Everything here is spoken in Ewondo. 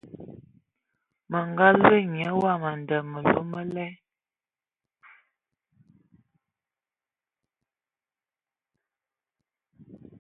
Mə nga loe nya wam nden məlu mə lal.